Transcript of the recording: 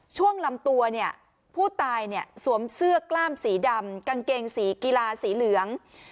ช่วงลำตัวเนี่ยผู้ตายเนี่ยสวมเสื้อกล้ามสีดำกางเกงสีกีฬาสีเหลือง